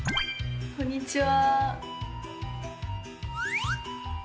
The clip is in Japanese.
こんにちは。